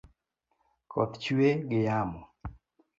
Koth chwe gi yamo